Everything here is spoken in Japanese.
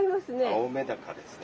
青メダカですね。